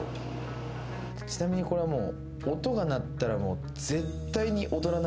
ちなみにこれはもう。